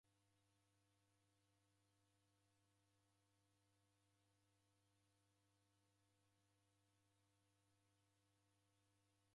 Voi emarwa ni mighondi mviringo seji mzi ghuw'onekagha kibogholonyi.